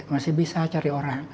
masih bisa cari orang